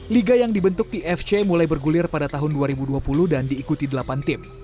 liga yang dibentuk di fc mulai bergulir pada tahun dua ribu dua puluh dan diikuti delapan tim